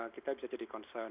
kita bisa jadi concern